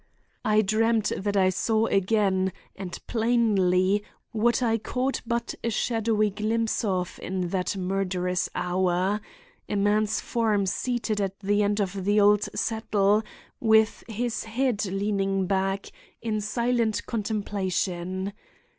I dreamed that I saw again, and plainly, what I caught but a shadowy glimpse of in that murderous hour: a man's form seated at the end of the old settle, with his head leaning back, in silent contemplation.